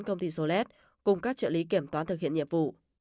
công ty solet cùng các trợ lý kiểm toán thực hiện nhiệm vụ